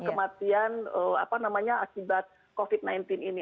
kematian apa namanya akibat covid sembilan belas ini